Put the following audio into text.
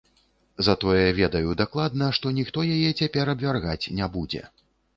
Затое ведаю дакладна, што ніхто яе цяпер абвяргаць не будзе.